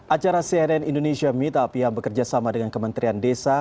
acara cnn indonesia meetup yang bekerjasama dengan kementerian desa